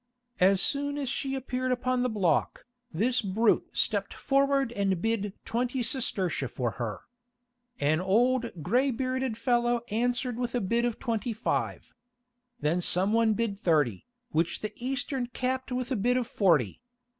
As soon as she appeared upon the block, this brute stepped forward and bid twenty sestertia for her. An old grey bearded fellow answered with a bid of twenty five. Then some one bid thirty, which the Eastern capped with a bid of forty.